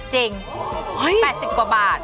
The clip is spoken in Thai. จริง๘๐กว่าบาท